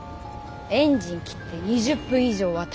エンジン切って２０分以上はたってる。